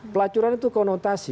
pelacuran itu konotasi